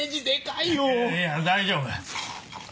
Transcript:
いや大丈夫。